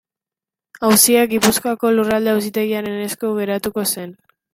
Auzia Gipuzkoako Lurralde Auzitegiaren esku geratuko zen.